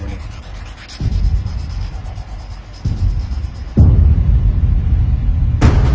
วางไป